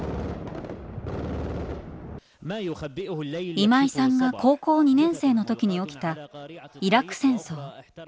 今井さんが高校２年生の時に起きたイラク戦争。